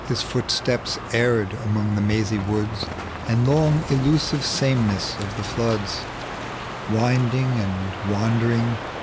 His footsteps erred among the mazy woods And long illusive sameness of the floods, Winding and wandering.